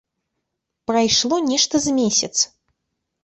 Прайшло нешта з месяц.